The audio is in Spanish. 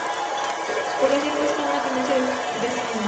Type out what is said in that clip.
Su población muestra una tendencia decreciente.